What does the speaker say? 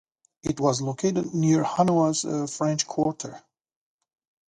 It was located near Hanoi's French Quarter.